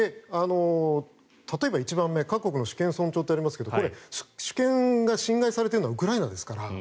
例えば、１番目各国の主権尊重とありますがこれ、主権が侵害されているのはウクライナですから。